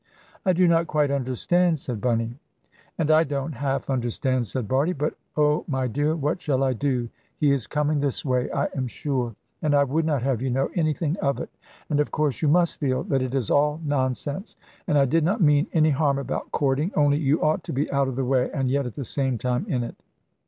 "I do not quite understand," said Bunny. "And I don't half understand," said Bardie: "but oh my dear, what shall I do? He is coming this way, I am sure. And I would not have you know anything of it and of course you must feel that it is all nonsense. And I did not mean any harm about 'courting;' only you ought to be out of the way, and yet at the same time in it."